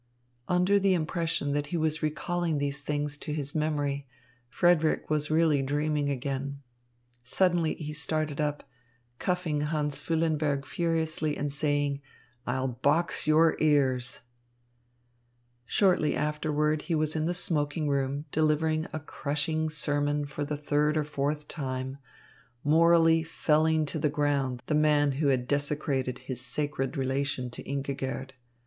Under the impression that he was recalling these things to his memory, Frederick was really dreaming again. Suddenly he started up, cuffing Hans Füllenberg furiously and saying: "I'll box your ears." Shortly afterward he was in the smoking room delivering a crushing sermon for the third or fourth time, morally felling to the ground the man who had desecrated his sacred relation to Ingigerd.